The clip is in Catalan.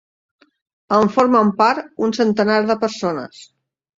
En formen part un centenar de persones.